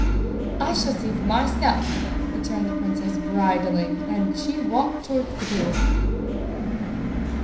"I shall see for myself," returned the princess, bridling, and walked to the door.